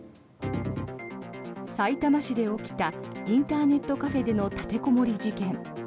さいたま市で起きたインターネットカフェでの立てこもり事件。